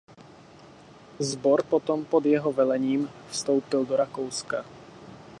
Sbor potom pod jeho velením vstoupil do Rakouska.